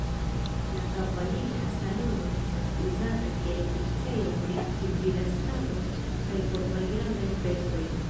La kavalira salono estas uzata kiel oficejo pri civila stato kaj por malgrandaj festoj.